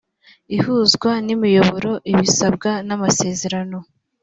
ihuzwa ry imiyoboro ibisabwa n amasezerano